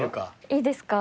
いいですか？